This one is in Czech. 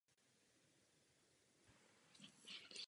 Z těchto úvah nakonec sešlo.